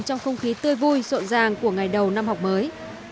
trong không khí tươi vui rộn ràng của ngày đầu năm học mới